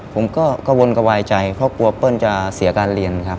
ผมก็กระวนกระวายใจเพราะกลัวเปิ้ลจะเสียการเรียนครับ